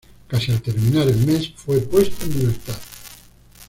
Casi al terminar el mes fue puesto en libertad.